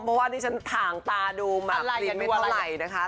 เพราะว่าที่ฉันถ่างตาดูมาเรียนไม่เท่าไหร่นะคะ